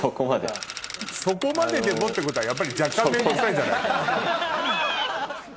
「そこまででも」ってことはやっぱり若干面倒くさいんじゃないかよ。